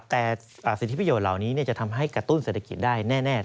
แต่สิทธิประโยชน์เหล่านี้จะทำให้กระตุ้นเศรษฐกิจได้แน่